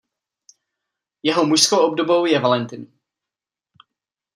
Jeho mužskou obdobou je Valentin.